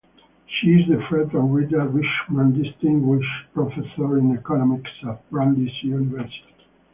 She is the Fred and Rita Richman Distinguished Professor in Economics at Brandeis University.